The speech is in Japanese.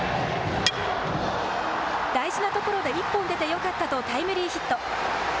大事なところで１本出てよかったとタイムリーヒット。